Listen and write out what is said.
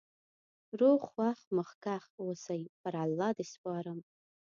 روغ خوښ مخکښ اوسی.پر الله د سپارم